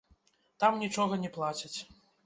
Там нічога не плацяць.